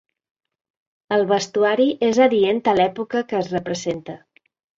El vestuari és adient a l'època que es representa.